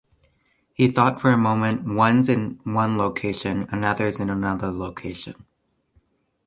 He thought for a moment: 'One's in one location, another's in another location.